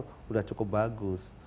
sudah cukup bagus